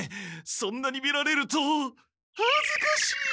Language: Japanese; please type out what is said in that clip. そんなに見られるとはずかしい！